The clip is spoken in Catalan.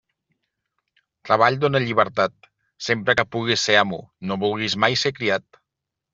Treball dóna llibertat; sempre que puguis ser amo, no vulguis mai ser criat.